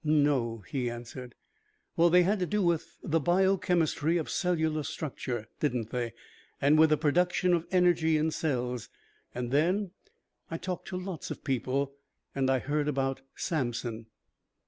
"No," he answered. "Well, they had to do with the biochemistry of cellular structure, didn't they? And with the production of energy in cells? And then I talked to lots of people. I heard about Samson."